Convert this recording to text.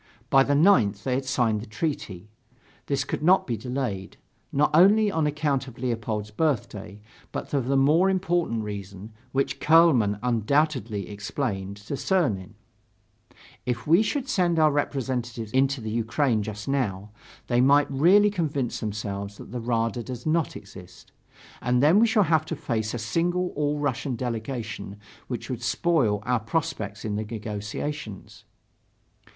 By the 9th, they had to sign the treaty. This could not be delayed, not only on account of Leopold's birthday, but for a more important reason, which Kuehlmann undoubtedly explained to Czernin: "If we should send our representatives into the Ukraine just now, they might really convince themselves that the Rada does not exist; and then we shall have to face a single All Russian delegation which would spoil our prospects in the negotiations."...